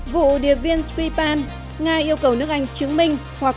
vụ địa viên scriban nga yêu cầu nước anh chứng minh hoặc